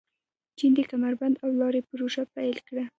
چین د کمربند او لارې پروژه پیل کړه.